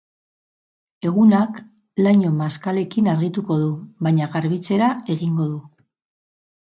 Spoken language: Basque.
Egunak laino maskalekin argituko du, baina garbitzera egingo du.